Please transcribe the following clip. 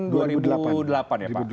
tahun dua ribu delapan ya pak